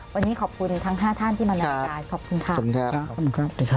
วันนี้ขอบคุณทั้ง๕ท่านที่มารายการขอบคุณค่ะ